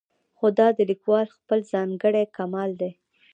خو دا د لیکوال خپل ځانګړی کمال دی.